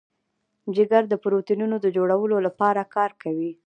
جگر د پروټینونو د جوړولو لپاره کار کوي.